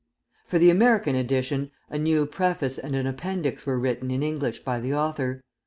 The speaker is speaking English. For the American edition, a new Preface and an Appendix were written in English by the author.